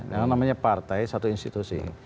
yang namanya partai satu institusi